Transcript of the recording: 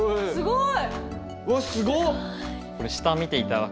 すごい！